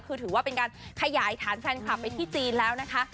คือถือว่าเป็นการขยายฐานแฟนคลับไปที่จีนแล้วนะคะ